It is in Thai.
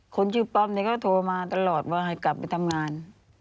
คนชื่อป๊อปก็โทรมาตลอดว่าให้กลับไปทำงาน